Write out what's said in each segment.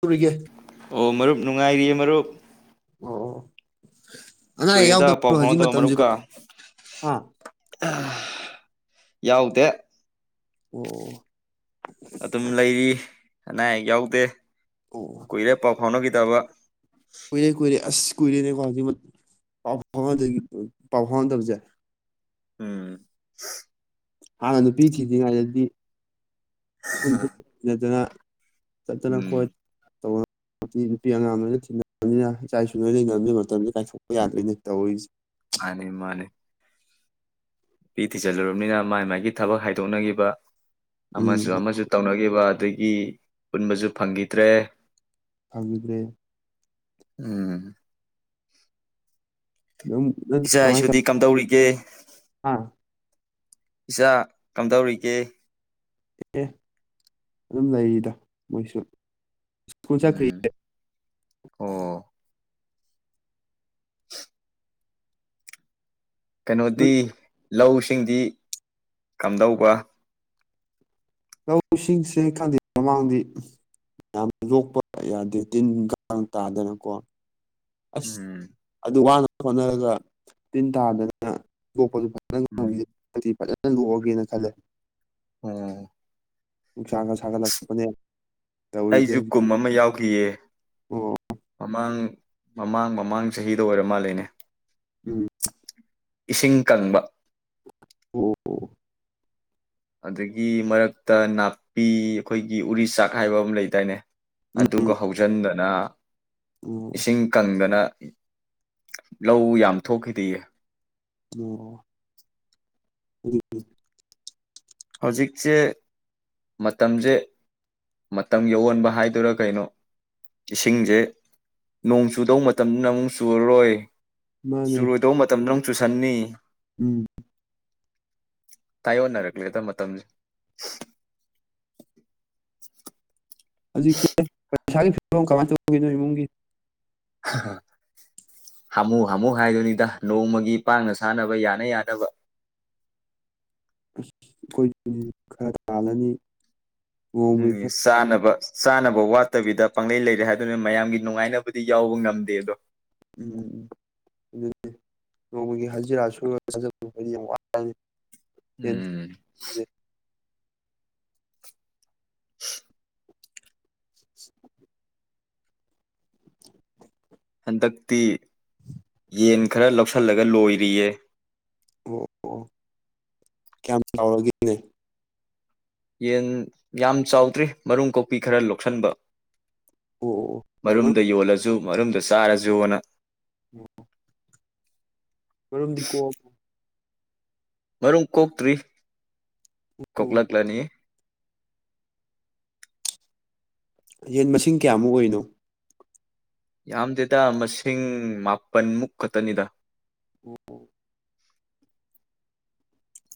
ꯇꯔꯤꯒꯦ ꯑꯣ ꯃꯔꯨꯞ ꯅꯨꯡꯉꯥꯏꯔꯤꯌꯦ ꯃꯔꯨꯞ ꯑꯣ ꯑꯅꯥ ꯑꯌꯦꯛ ꯀꯨꯏꯔꯦꯗ ꯄꯥꯎ ꯌꯥꯎꯗꯕ꯭ꯔꯣ ꯍꯧꯖꯤꯛ ꯐꯥꯎꯅꯗꯕ ꯃꯇꯝꯁꯤꯀꯣ ꯃꯔꯨꯞꯀ ꯌꯥꯎꯗꯦ ꯑꯣ ꯑꯗꯨꯝ ꯂꯩꯔꯤ ꯑꯅꯥ ꯑꯌꯦꯛ ꯌꯥꯎꯗꯦ ꯀꯨꯏꯔꯦ ꯄꯥꯎ ꯐꯥꯎꯅꯀ ꯇꯕ ꯀꯨꯔꯦ ꯀꯨꯔꯦ ꯑꯁ ꯀꯨꯏꯔꯦꯅꯦꯀꯣ ꯍꯧꯖꯤꯛ ꯄꯥꯎ ꯐꯥꯎꯍꯟꯗ ꯄꯥꯎ ꯐꯥꯎꯍꯟꯗꯕꯁꯦ ꯎꯝ ꯍꯥꯟꯅ ꯅꯨꯄꯤꯊꯤꯗꯔꯤ ꯉꯥꯏꯗꯗꯤ ꯟꯠꯇꯅ [unintelligible] ꯆꯠꯇꯅ ꯎꯝ ꯀꯣꯏ ꯅꯨꯄꯤ ꯅꯨꯄꯤ ꯑꯉꯥꯡ ꯂꯣꯏꯅ ꯊꯤꯕꯅꯤꯅ ꯏꯆꯥ ꯏꯁꯨ ꯅꯣꯏꯅ ꯉꯝꯗꯕ ꯃꯇꯝꯗ ꯀꯥꯏꯊꯣꯛꯄ ꯌꯥꯗꯣꯏꯅꯦ ꯇꯧꯔꯤꯁꯦ ꯃꯥꯅꯦ ꯃꯥꯅꯦ ꯅꯨꯄꯤ ꯊꯤꯆꯜꯂꯨꯔꯕꯅꯤꯅ ꯃꯥꯏ ꯃꯥꯥꯏꯒꯤ ꯊꯕꯛ ꯍꯥꯏꯗꯣꯛꯅꯈꯤꯕ ꯎꯝ ꯑꯃꯁꯨ ꯑꯃꯁꯨ ꯇꯧꯅꯈꯤꯕ ꯑꯗꯒꯤ ꯄꯨꯟꯕꯁꯨ ꯐꯪꯈꯤꯗ꯭ꯔꯦ ꯐꯪꯕꯤꯗ꯭ꯔꯦ ꯎꯝ ꯑꯗꯨꯝ ꯏꯆꯥ ꯏꯁꯨꯗꯤ ꯀꯝꯗꯧꯔꯤꯒꯦ ꯑꯥ ꯏꯆꯥ ꯀꯝꯗꯧꯔꯤꯒꯦ ꯑꯦ ꯑꯗꯨꯝ ꯂꯩꯔꯤꯗ ꯃꯣꯏꯁꯨ ꯁꯀꯨ ꯎꯝ ꯆꯈꯔꯤ ꯑꯣ [unintelligible] ꯀꯩꯅꯣꯗꯤ ꯂꯧ ꯁꯤꯡꯗꯤ ꯀꯝꯗꯧꯕ ꯂꯧꯁꯤꯡꯁꯀꯥꯟꯗꯦ ꯃꯃꯥꯡꯗꯤ ꯌꯥꯝ ꯌꯣꯛꯄ ꯌꯥꯗꯦ ꯇꯤꯟ ꯀꯥꯡ ꯇꯥꯗꯅꯀꯣ ꯑꯁ ꯎꯝ ꯑꯗꯨ ꯋꯥꯅꯕ ꯍꯣꯠꯅꯔꯒ ꯇꯤꯟ ꯇꯥꯗꯅ ꯇꯣꯛꯄꯁꯨ ꯐ [unintelligible] ꯎꯝ ꯅꯪ ꯂꯨꯍꫭꯡꯒꯦꯅ ꯈꯜꯂꯦ ꯎꯝ ꯅꯨꯡꯁꯥꯡꯒ ꯁꯥꯥꯡꯒꯠꯂꯛꯂꯄꯅꯦ ꯑꯩꯁꯨ ꯀꯨꯝ ꯑꯃ ꯌꯥꯎꯈꯤꯌꯦ ꯑꯣ ꯃꯃꯥꯡ ꯃꯃꯥꯡ ꯃꯃꯥꯡ ꯆꯍꯤꯗ ꯑꯣꯏꯔ ꯃꯥꯜꯜꯂꯤꯦꯅꯦ ꯎꯝ ꯏꯁꯤꯡ ꯀꯪꯕ ꯑꯣ ꯑꯗꯨꯗꯒꯤ ꯃꯔꯛꯇ ꯅꯥꯄꯤ ꯑꯩꯈꯣꯏꯒꯤ ꯎꯔꯤ ꯆꯥꯛ ꯍꯥꯏꯕ ꯑꯃ ꯂꯩꯗꯥꯏꯅꯦ ꯑꯗꯨꯒ ꯎꯝ ꯍꯧꯖꯤꯟꯗꯅ ꯑꯣ ꯏꯁꯤꯡ ꯀꯪꯗꯅ ꯂꯧ ꯌꯥꯝ ꯊꯣꯛꯈꯤꯗꯌꯦ ꯑꯣ ꯍꯧꯖꯤꯛꯁꯦ ꯃꯇꯝꯁꯦ ꯃꯇꯝ ꯌꯑꯟꯕ ꯍꯥꯏꯗꯨꯔꯥ ꯀꯩꯅꯣ ꯏꯁꯤꯡꯁꯦ ꯅꯣꯡ ꯆꯨꯗꯧ ꯃꯇꯝꯗꯨꯅ ꯑꯃꯨꯛ ꯆꯨꯔꯔꯣꯏ ꯃꯥꯅꯦ ꯆꯨꯔꯣꯏꯗꯧꯕ ꯃꯇꯝꯗꯪ ꯇꯨꯁꯟꯅꯤ ꯎꯝ ꯇꯌꯣꯅꯔꯦ ꯦꯗ ꯃꯇꯝꯁꯦ ꯍꯧꯖꯤꯛꯁ ꯏꯁꯁꯥꯒꯤ ꯐꯤꯕꯝ ꯀꯃꯥꯏꯅ ꯇꯧꯈꯤꯅꯣ ꯏꯃꯨꯡꯒꯤ ꯍꯥꯃꯨ ꯍꯥꯃꯨ ꯍꯥꯏꯗꯨꯣꯏꯅꯤꯗ ꯅꯣꯡꯃꯒꯤ ꯄꯥꯡꯅ ꯁꯥꯟꯅꯕ ꯌꯥꯅ ꯌꯥꯅꯕ ꯑꯁ ꯑꯩꯈꯣꯏ ꯈꯔ ꯇꯥꯜꯂꯅꯤ ꯎꯝ ꯅꯣꯡꯃꯒꯤ ꯈꯔ ꯆꯥꯅꯕ ꯆꯥꯅꯕ ꯋꯥꯠꯇꯕꯤꯗ ꯄꯪꯂꯩ ꯂꯩꯔꯦ ꯍꯥꯏꯗꯨꯅ ꯃꯌꯥꯝꯒꯤ ꯅꯨꯡꯉꯥꯏꯅꯕꯗꯤ ꯌꯥꯎꯕ ꯉꯝꯗꯦ ꯑꯗꯣ ꯎꯝ ꯎꯝ ꯎꯝ ꯑꯗꯨꯗꯤ ꯅꯣꯡꯃꯒꯤ ꯍꯖꯤꯔꯥ ꯁꯣꯏꯗꯤ ꯌꯥꯝ ꯋꯥꯅꯤ ꯎꯝ [unintelligible] [unintelligible] ꯍꯟꯗꯛꯇꯤ ꯌꯦꯟ ꯈꯔ ꯂꯧꯁꯤꯜꯂꯒ ꯂꯣꯏꯔꯤꯌꯦ ꯑꯣ ꯑꯣ ꯀꯌꯥꯝ ꯆꯥꯎꯔꯒꯦꯅꯦ ꯌꯦꯟ ꯌꯥꯝ ꯆꯥꯎꯗ꯭ꯔꯔꯤ ꯃꯔꯨꯝ ꯀꯣꯛꯄꯤ ꯈꯔ ꯂꯣꯛꯁꯤꯟꯕ ꯑꯣ ꯑꯣ ꯑꯣ ꯃꯔꯨꯞ ꯃꯔꯨꯝꯗ ꯌꯣꯜꯂꯁꯨ ꯃꯔꯨꯝꯗꯨ ꯆꯥꯔꯁꯨꯣꯅ ꯑꯣꯝ ꯀꯔꯨꯝꯗꯤꯀꯣ ꯃꯔꯨꯝ ꯀꯣꯛꯇ꯭ꯔꯤ ꯀꯣꯛ ꯑꯣ ꯂꯛꯂꯅꯤ꯫ ꯌꯦꯟ ꯃꯁꯤꯡ ꯀꯌꯥꯃꯨꯛ ꯑꯣꯏꯔꯤꯅꯣ꯫ ꯌꯥꯝꯗꯦꯗ ꯃꯁꯤꯡ ꯃꯥꯄꯟꯃꯨꯛ ꯈꯛꯇꯅꯤꯗ ꯑꯣ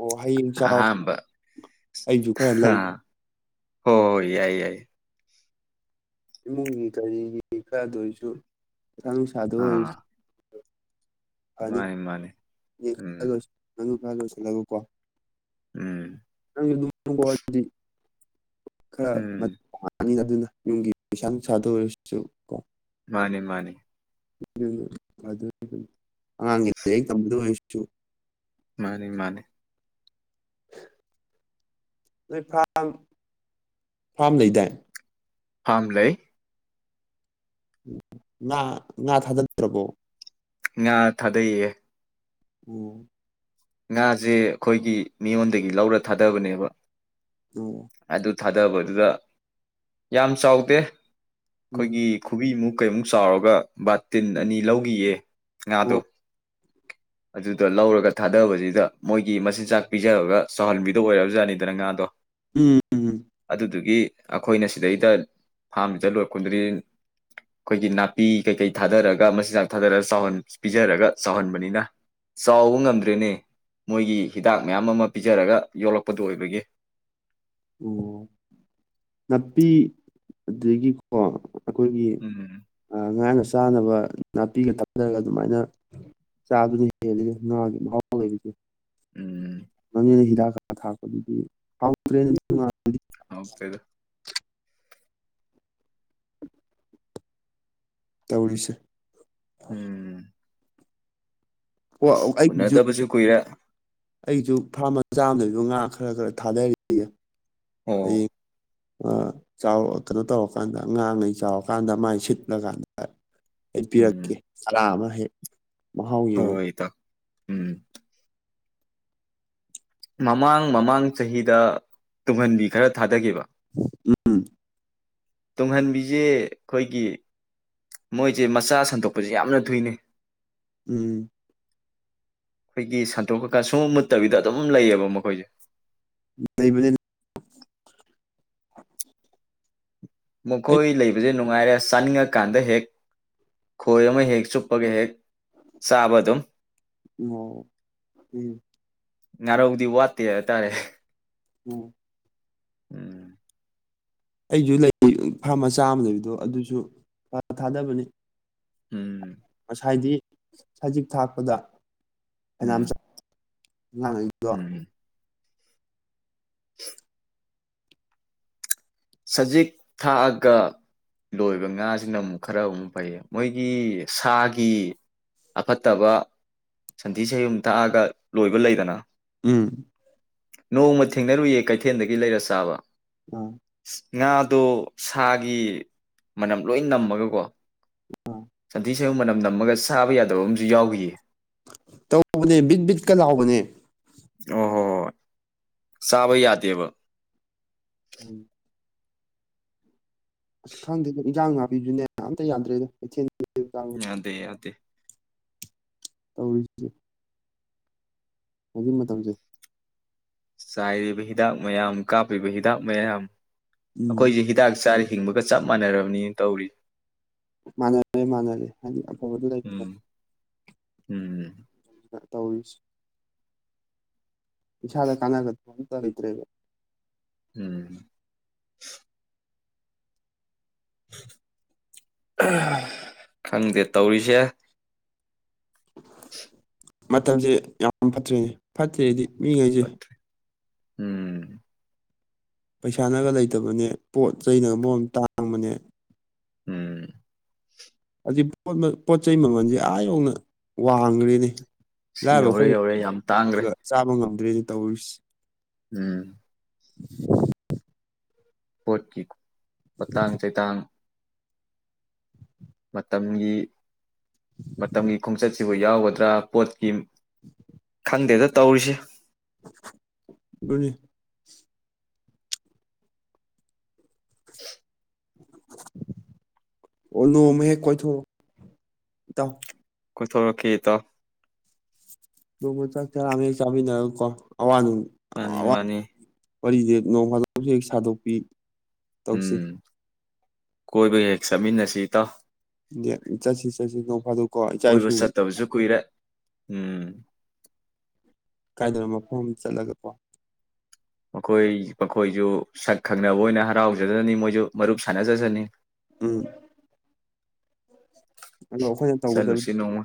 ꯑꯣ ꯍꯌꯦꯡ ꯆꯥꯛ ꯑꯍꯥꯝꯕ ꯑꯩꯁꯨ ꯈꯔ ꯂꯧꯒꯦ ꯍ ꯍꯣꯏ ꯌꯥꯏ ꯌꯥꯏ ꯏꯃꯨꯡꯒꯤ ꯀꯔꯤꯒꯤ ꯈꯔꯗ ꯑꯣꯏꯁꯨ ꯑꯪ ꯁꯥꯗꯣ ꯑꯣꯏ [unintelligible] ꯑꯥ [inaudible] ꯐꯅꯤ ꯃꯥꯅꯤ ꯃꯥꯅꯤ [unintelligible] ꯎꯝ ꯂ ꯂꯣꯏꯁꯤꯜꯂꯒꯀꯣ ꯎꯝ [unintelligible] ꯈꯔ ꯎꯝ [inaudible] ꯑꯗꯨꯅ ꯌꯨꯝꯒꯤ ꯄꯩꯁꯥꯅꯨꯡ ꯁꯥꯗ ꯑꯣꯏꯔꯁꯨ ꯀꯣ ꯃꯥꯅꯦ ꯃꯥꯅꯤ [inaudible] ꯑꯉꯥꯡꯒꯤ ꯂꯥꯏꯛ ꯇꯝꯕꯗ ꯑꯣꯏꯨ꯫ ꯃꯥꯅꯤ ꯃꯥꯅꯦ꯫ ꯅꯣꯏ ꯐꯥꯝ ꯂꯩꯗꯥꯏ꯫ ꯐꯥꯝ ꯂꯩ꯫ ꯉꯥ ꯉꯥ ꯊꯥꯗ꯭ꯔꯗꯕꯣ꯫ ꯉꯥ ꯊꯥꯗꯩꯌꯦ꯫ ꯑꯣ꯫ ꯉꯥꯁꯦ ꯑꯩꯈꯣꯏꯒꯤ ꯃꯤꯉꯣꯟꯗꯒꯤ ꯂꯧꯔ ꯊꯥꯗꯕꯅꯦꯕ꯫ ꯑꯣ꯫ ꯑꯗꯨ ꯊꯥꯗꯕꯗꯨꯗ ꯌꯥꯝ ꯆꯥꯎꯗꯦ꯫ ꯎꯝ ꯑꯈꯣꯏꯒꯤ ꯈꯨꯕꯤꯃꯨꯛ ꯀꯩꯃꯨꯛ ꯆꯥꯎꯔꯒ ꯕꯥꯇꯤꯟ ꯎꯝ ꯑꯅꯤ ꯂꯧꯒꯤꯌꯦ ꯑꯣ ꯉꯥꯗꯣ꯫ ꯑꯗꯨꯗ ꯂꯧꯔꯒ꯫ ꯊꯥꯗꯕꯁꯤꯗ ꯃꯣꯏꯒꯤ ꯃꯆꯤꯟꯖꯥꯛ ꯄꯤꯖꯔꯒ ꯆꯥꯎꯍꯟꯕꯤꯗꯕ ꯑꯣꯏꯔꯕꯖꯥꯠꯅꯤꯗꯅ ꯉꯥꯗꯣ꯫ ꯎꯝ ꯎꯝ ꯑꯗꯨꯗꯨꯒꯤ ꯑꯈꯣꯏꯅ ꯁꯤꯗꯩꯗ ꯐꯥꯝꯁꯤꯗ ꯂꯣꯏꯔꯛꯄꯗꯨꯗꯗꯤ ꯈꯣꯏꯒꯤ ꯅꯥꯄꯤ ꯀꯩꯀꯩ ꯊꯥꯗꯔꯒ ꯃꯆꯤꯟꯖꯥꯛ ꯊꯥꯗꯔꯒ ꯄꯤꯖꯔꯒ ꯆꯥꯎꯍꯟꯕꯅꯤꯅ ꯆꯥꯎꯕ ꯉꯝ ꯅꯦ ꯃꯣꯏꯒꯤ ꯍꯤꯗꯥꯛ ꯃꯌꯥꯝ ꯑꯃ ꯄꯤꯖꯔꯒ ꯌꯣꯂꯛꯄꯗꯨ ꯑꯣꯏꯕꯒꯤ ꯑꯣ ꯅꯥꯄꯤ ꯑꯗꯒꯤꯀꯣ ꯑꯩꯈꯣꯏꯒꯤ ꯎꯝ ꯉꯥꯡ ꯑꯁ ꯆꯥꯅꯕ ꯅꯥꯄꯤꯒ ꯇꯝꯊꯔꯒ ꯑꯗꯨꯃꯥꯏꯅ ꯆꯥꯗꯨꯅ ꯍꯦꯜꯂꯤꯅꯦ ꯉꯥꯒꯤ ꯃꯍꯥꯎ ꯂꯩꯕꯁꯦ ꯎꯝ ꯃꯃꯤꯅ ꯍꯤꯗꯥꯛ ꯀꯥ ꯊꯥꯛꯄꯗꯨꯗꯤ ꯐꯥꯎꯗ꯭ꯔꯦ ꯍꯥꯎꯇꯦꯗ ꯇꯧꯔꯤꯁꯦ ꯎꯝ ꯑꯣ ꯎꯅꯗꯕꯁꯨ ꯀꯨꯏꯔꯦ ꯑꯩꯁꯨ ꯐꯥꯔꯝ ꯝꯆꯥ ꯑꯃꯥ ꯂꯩꯕꯗꯣ ꯉꯥ ꯈꯔ ꯈꯔ ꯊꯥꯗꯔꯤꯌꯦ ꯑꯣ ꯆꯥꯎꯔ ꯀꯩꯅꯣ ꯇꯧꯔꯀꯥꯟꯗ ꯉꯥꯡꯉꯩ ꯆꯥꯎꯔꯀꯥꯟꯗ ꯃꯥꯏ ꯁꯤꯠꯂꯀꯥꯟꯗ ꯑꯩꯄꯤꯔꯛꯀꯦ ꯎꯝ ꯆꯔꯥ ꯑꯃꯥ ꯍꯥꯏ ꯃꯍꯥꯎ ꯌꯦꯉꯣ ꯍꯣꯏ ꯏꯇꯥꯎ ꯎꯝ ꯃꯃꯥꯡ ꯃꯃꯥꯡ ꯆꯍꯤꯗ ꯇꯨꯡꯍꯟꯕꯤ ꯈꯔ ꯊꯥꯗꯒꯤꯕ ꯎꯝ ꯇꯨꯡꯍꯟꯕꯤꯁꯦ ꯑꯩꯈꯣꯏꯒꯤ ꯃꯣꯏꯁꯦ ꯃꯆꯥ ꯁꯟꯗꯣꯛꯄꯁꯦ ꯌꯥꯝꯅ ꯊꯨꯏꯅꯦ ꯎꯝ ꯑꯩꯈꯣꯏꯒꯤ ꯁꯟꯇꯣꯛꯈꯔ꯭ꯒ ꯁꯨꯡꯃꯨꯠ ꯃꯨꯠꯇꯕꯤꯗ ꯑꯗꯨꯝ ꯑꯗꯨꯝ ꯂꯩꯌꯦꯕ ꯃꯈꯣꯏꯁꯦ ꯂꯩꯕꯅꯦ ꯑꯗꯨꯝ ꯑꯩ. ꯃꯈꯣꯏ ꯂꯩꯕꯁꯦ ꯅꯨꯡ ꯅꯨꯡꯉꯥꯏꯔꯦ ꯆꯥꯅꯤꯡꯉꯀꯥꯟꯗ ꯍꯦꯛ ꯈꯣꯏ ꯑꯃ ꯍꯦꯛ ꯆꯨꯞꯄꯒ ꯍꯦꯛ ꯆꯥꯕ ꯑꯗꯨꯝ ꯑꯣ ꯎꯝ ꯉꯥꯔꯧꯗꯤ ꯋꯥꯠꯇꯦ ꯍꯥꯏꯇꯥꯔꯦ ꯎꯝ ꯎꯝ ꯑꯩꯁꯨ ꯂꯩ ꯐꯥꯔꯝ ꯃꯆꯥ ꯑꯃ ꯂꯩꯕꯗꯣ ꯑꯗꯨꯁꯨ ꯉꯥ ꯊꯥꯗꯕꯅꯤ ꯎꯝ ꯍꯥꯏꯗꯤ ꯁꯖꯤꯛ ꯊꯥꯛꯄꯗ ꯐꯅꯥꯌꯥꯝ ꯎꯝ ꯆꯥꯎ ꯑꯉꯥꯡ ꯒꯩꯗꯣ ꯎꯝ [unintelligible] ꯁꯖꯤꯛ ꯊꯥꯛꯑꯒ ꯂꯣꯏꯕ ꯉꯥꯁꯤꯅ ꯑꯃꯨꯛ ꯈꯔ ꯑꯃꯨꯛ ꯐꯩꯌꯦ ꯃꯣꯏꯒꯤ ꯁꯥꯒꯤ ꯑꯐꯠꯇꯕ ꯁꯟꯊꯤ ꯁꯩꯌꯨꯝ ꯊꯥꯛꯑꯒ ꯂꯣꯏꯕ ꯂꯩꯗꯅ ꯎꯝ ꯅꯣꯡꯃ ꯊꯦꯡꯅꯔꯨꯏꯌꯦ ꯀꯩꯊꯦꯜꯗꯒꯤ ꯂꯩꯔ ꯆꯥꯕ ꯑꯝ ꯉꯥꯗꯣ ꯁꯥꯒꯤ ꯃꯅꯝ ꯂꯣꯏ ꯅꯝꯃꯒꯀꯣ ꯁꯟꯊꯤ ꯁꯟꯌꯨꯡ ꯃꯅꯝ ꯅꯝꯃꯒ ꯆꯥꯕꯥ ꯌꯥꯗꯕ ꯑꯃꯁꯨ ꯌꯥꯎꯈꯤꯌꯦ ꯇꯧꯕꯅꯦ ꯕꯤꯠ ꯕꯤꯠꯀ ꯂꯥꯎꯕꯅꯦ ꯑꯣ ꯍꯣ ꯍꯣ ꯍꯣꯏ ꯆꯥꯕꯥ ꯌꯥꯗꯦꯕ ꯎꯝ ꯑꯁ ꯈꯪꯗꯦꯗ ꯑꯦꯟꯖꯥꯡ ꯅꯥꯞ ꯖꯅꯦ ꯑꯝꯇ ꯌꯥꯗ꯭ꯔꯦꯗ ꯀꯩꯊꯦꯜ ꯌꯥꯗꯦ ꯌꯥꯗꯦ [unintelligible] ꯇꯧꯔꯤꯁꯦ ꯍꯧꯖꯤꯛ ꯃꯇꯝꯁꯦ ꯆꯥꯏꯔꯤꯕ ꯍꯤꯗꯥꯛ ꯃꯌꯥꯝ ꯀꯥꯞꯂꯤꯕ ꯍꯤꯗꯥꯛ ꯃꯌꯥꯝ ꯎꯝ ꯑꯩꯈꯣꯏꯁꯦ ꯍꯤꯗꯥꯛ ꯆꯥꯔꯤ ꯍꯤꯡꯕꯒ ꯆꯞ ꯃꯥꯟꯅꯔꯕꯅꯤꯅ ꯇꯧꯔꯤ ꯃꯥꯟꯅꯔꯦ ꯃꯥꯟꯅꯔꯦ ꯍꯥꯏꯗꯤ ꯑꯐꯕꯗꯨ ꯂꯩꯇ꯭ꯔꯦ ꯎꯝ ꯎꯝ ꯇꯧꯔꯤꯁꯦ ꯏꯁꯥꯗ ꯀꯅꯥꯗꯕ ꯑꯝꯇ ꯂꯩꯇꯔ꯭ꯦꯕꯥ ꯎꯝ ꯑꯥ ꯈꯪꯗꯦ ꯇꯧꯔꯤꯁꯦ [unintelligible] ꯃꯇꯝꯁꯦ ꯌꯥꯝ ꯐꯠꯇ꯭ꯔꯤꯅꯦ ꯐꯠꯇ꯭ꯔꯦꯗꯤ ꯃꯤꯈꯩꯁꯦ ꯎꯝ ꯄꯩꯁꯥꯅꯒ ꯂꯩꯇꯕꯅꯦ ꯄꯣꯠ ꯆꯩꯅꯒ ꯃꯔꯣꯟ ꯑꯃ ꯇꯥꯡꯕꯅꯦ ꯎꯝ ꯑꯁꯤ ꯄꯣꯠ ꯆꯩ ꯃꯃꯜꯁꯦ ꯑꯥ ꯌꯧꯅ ꯋꯥꯡꯈ꯭ꯔꯦꯅꯦ [unintelligible] ꯁꯤ ꯌꯧꯔꯦ ꯑꯩꯈꯣꯏ ꯌꯧꯔꯦ ꯌꯥꯝ ꯇꯥꯡꯈ꯭ꯔꯦ ꯆꯥꯕ ꯉꯝ [unintelligible] ꯇꯧꯔꯤꯁꯤ ꯎꯝ [unintelligible] ꯄꯣꯠꯀꯤ ꯄꯣꯠꯇꯥꯡ ꯆꯩꯇꯥꯡ ꯃꯇꯝꯒꯤ ꯃꯇꯝꯒꯤ ꯈꯣꯡꯆꯠꯁꯤ ꯁꯤꯕꯨ ꯌꯥꯎꯒꯗ꯭ꯔꯥ ꯄꯣꯠꯀꯤ [unintelligible] ꯈꯪꯗꯦꯗ ꯇꯧꯔꯤꯁꯦ ꯑꯗꯨꯅꯤ [unintelligible] ꯑꯣ ꯅꯣꯡꯃ ꯍꯦꯛ ꯀꯣꯏꯊꯣꯡꯑꯣ ꯏꯇꯥꯎ ꯀꯣꯏꯊꯣꯔꯛꯀꯦ ꯏꯇꯥꯎ ꯅꯣꯡꯃ ꯆꯥꯛ ꯆꯔꯥ ꯑꯃ ꯆꯥꯃꯤꯅꯔꯥ ꯀꯣ ꯑꯋꯥ ꯅꯨꯡ ꯃꯥꯅꯤ ꯑꯋꯥ ꯃꯥꯅꯤ ꯋꯥꯔꯤꯁꯦ ꯅꯣꯡꯐꯥꯗꯣꯛꯁꯨ ꯍꯦꯛ ꯁꯥꯗꯣꯛꯄꯤ ꯇꯧꯁꯤ ꯎꯝ ꯀꯣꯏꯕ ꯍꯦꯛ ꯆꯠꯃꯤꯟꯅꯁꯤ ꯏꯇꯥꯎ ꯆꯠꯁꯤ ꯆꯠꯁꯤ ꯅꯣꯡ ꯐꯥꯗꯣꯛꯀꯣ ꯏꯆꯥ ꯀꯣꯏꯕ ꯏꯁꯨꯒ ꯆꯠꯇꯕꯁꯨ ꯀꯨꯏꯔꯦ ꯎꯝ ꯀꯥꯏꯗꯅꯣ ꯃꯐꯝ ꯑꯃ ꯆꯠꯂꯒꯀꯣ ꯃꯈꯣꯏ ꯃꯈꯣꯏꯁꯨ ꯁꯛ ꯈꯪꯅꯕ ꯑꯣꯏꯅ ꯍꯔꯥꯎꯖꯗꯅꯤ ꯃꯣꯏꯁꯨ ꯃꯔꯨꯞ ꯁꯥꯟꯅꯖꯁꯅꯤ ꯎꯝ ꯑꯗꯣ ꯑꯩꯈꯣꯏꯅ ꯇꯧꯒꯗꯕ ꯆꯠꯂꯨꯁꯤ ꯅꯣꯡꯃ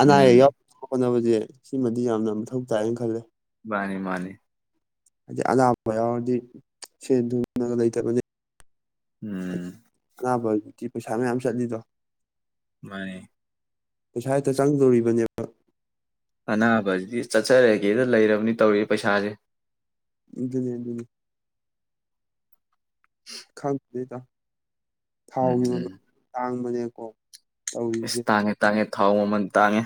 ꯑꯅꯥ ꯎꯝ ꯑꯌꯦꯛ ꯌꯥꯎ ꯍꯣꯠꯅꯕꯁꯦ ꯁꯤꯃꯗꯤ ꯌꯥꯝꯅ [unintelligible] ꯈꯜꯂꯦ ꯃꯥꯅꯤ ꯃꯥꯅꯤ ꯍꯥꯏꯗꯤ ꯑꯅꯥꯕ ꯌꯥꯎꯔꯗꯤ ꯁꯦꯟ ꯊꯨꯝꯒ ꯂꯩꯇꯕꯅꯦ ꯎꯝ ꯑꯅꯥꯕ ꯗꯤ ꯄꯩꯁꯥ ꯃꯌꯥꯝ ꯆꯠꯂꯤꯗꯣ ꯃꯥꯅꯦ ꯄꯩꯁꯥ ꯍꯦꯛꯇ ꯆꯪꯗꯣꯔꯤꯕꯅꯦꯕ ꯑꯅꯥꯕꯕꯁꯤꯗꯤ ꯆꯠꯆꯔꯒꯦꯗ ꯂꯩꯔꯕꯅꯤ ꯇꯧꯔꯤ ꯄꯩꯁꯥꯁꯦ ꯎ ꯈꯪ ꯂꯩꯗ ꯎꯝ ꯊꯥꯎꯒꯤ ꯃꯃꯜ ꯎꯝ ꯇꯥꯡꯏ ꯖꯦ ꯀꯣ ꯇꯥꯡꯉꯦ ꯇꯥꯡꯉꯦ ꯊꯥꯎ ꯃꯃꯜ ꯇꯥꯡꯉꯦ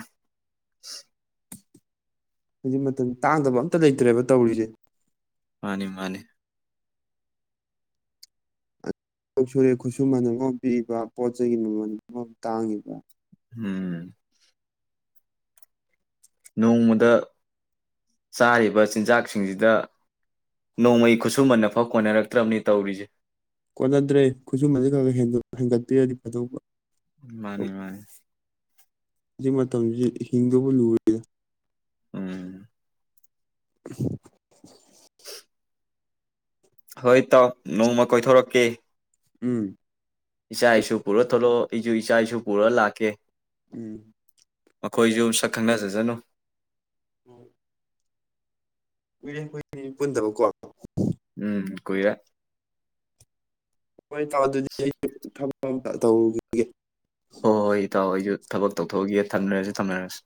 ꯍꯧꯖꯤꯛ ꯃꯇꯝ ꯇꯥꯡꯗꯕ ꯑꯝꯇ ꯂꯩꯇ꯭ꯔꯦꯕ ꯇꯧꯔꯤꯁꯦ ꯃꯥꯅꯤ ꯃꯥꯅꯤ ꯁꯨꯔꯦ ꯈꯨꯠꯁꯨꯃꯟ ꯑꯃ ꯄꯤꯛꯏꯕ ꯄꯣꯠ ꯆꯩꯒꯤ ꯃꯃꯜ ꯑꯃꯝ ꯇꯥꯡꯉꯤꯕ ꯎꯝ ꯅꯣꯡꯃꯗ ꯆꯥꯔꯤꯕ ꯆꯤꯟꯖꯥꯛꯁꯤꯡꯁꯤꯗ ꯅꯣꯡꯃꯩ ꯈꯨꯠꯁꯨꯃꯟꯅ ꯍꯥꯎ ꯀꯣꯟꯅꯔꯛꯇ꯭ꯔꯕꯅꯤ ꯇꯧꯔꯤꯁꯦ ꯀꯣꯟꯅꯗ꯭ꯔꯦ ꯈꯨꯠꯁꯨꯃꯁꯦ ꯈꯔ ꯈ ꯍꯦꯟꯒꯠꯄꯤꯔꯗꯤ ꯐꯗꯧꯕ ꯃꯥꯅꯤ ꯃꯥꯅꯤ ꯍꯧꯖꯤꯛ ꯃꯇꯝꯁꯤ ꯍꯤꯡꯗꯧꯕꯨ ꯂꯨꯔꯦ꯫ ꯎꯝ [unintelligible] ꯍꯣꯏ ꯇꯥꯎ ꯅꯣꯡꯃ ꯀꯣꯏꯊꯣꯔꯛꯀꯦ ꯎꯝ ꯏꯆꯥ ꯏꯁꯨ ꯄꯨꯔ ꯊꯣꯛꯂꯛꯑꯣ ꯑꯩꯁꯨ ꯏꯆꯥ ꯏꯁꯨ ꯄꯨꯔ ꯂꯥꯛꯀꯦ ꯎꯝ ꯃꯈꯣꯏꯁꯨ ꯁꯛ ꯈꯪꯅꯖ ꯖꯅꯣ ꯎꯝ ꯀꯨꯏꯔꯦ ꯈꯣꯏꯅꯤ ꯄꯨꯟꯗꯕꯀꯣ ꯎꯝ ꯀꯨꯏꯔꯦ ꯍꯣꯏ ꯏꯇꯥꯎ ꯑꯗꯨꯗꯤ ꯑꯩ ꯊꯝ [unintelligible] ꯍꯣ ꯍꯣꯏ ꯏꯇꯥꯎ ꯑꯩꯖꯨ ꯊꯕꯛ ꯇꯧꯊꯣꯛꯎꯒꯦ ꯊꯝꯅꯔꯁꯤ ꯊꯝꯅꯔꯁꯤ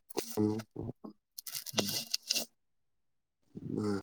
[unintelligible] ꯎꯝ